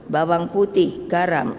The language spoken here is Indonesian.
bawang putih garam